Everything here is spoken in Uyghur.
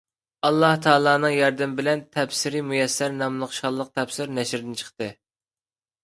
ئاللاھ تائالانىڭ ياردىمى بىلەن «تەپسىرى مۇيەسسەر» ناملىق شانلىق تەپسىر نەشردىن چىقتى.